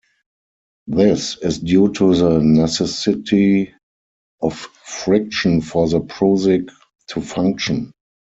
This is due to the necessity of friction for the Prusik to function.